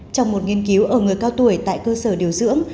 trong một nghiên cứu ở người cao tuổi tại cơ sở điều dưỡng